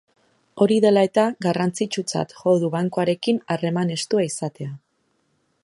Hori dela eta, garrantzitsutzat jo du bankuekin harreman estua izatea.